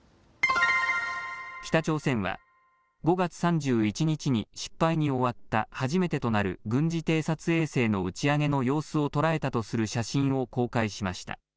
北朝鮮は５月３１日に失敗に終わった初めてとなる軍事偵察衛星の打ち上げの様子を捉えたとする写真を公開しました。